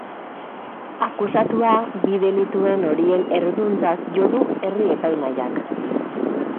Akusatua bi delituen horien erruduntzat jo du herri-epaimahaiak.